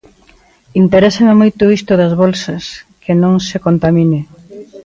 Interésame moito isto das bolsas, que non se contamine...